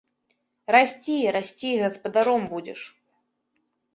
Расці, расці, гаспадаром будзеш.